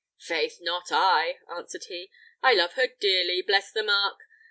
"'Faith, not I," answered he; "I love her dearly, bless the mark!